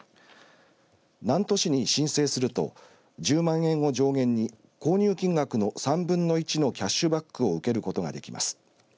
南砺市に申請すると１０万円を上限に購入金額の３分の１のキャシュバックを受けることができます。